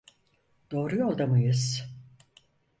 Doğru yolda mıyız?